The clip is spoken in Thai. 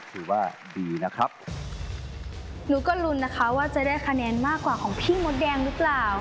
ถือว่าดีนะครับหนูก็ลุ้นนะคะว่าจะได้คะแนนมากกว่าของพี่มดแดงหรือเปล่า